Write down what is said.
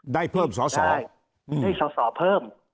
ได้เพิ่มสอสอได้สอสอเพิ่ม